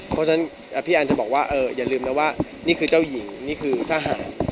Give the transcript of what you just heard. เพราะฉะนั้นพี่แอนจะบอกว่าอย่าลืมนะว่านี่คือเจ้าหญิงนี่คือทหาร